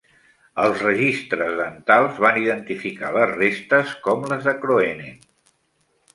Els registres dentals van identificar les restes com les de Kroenen.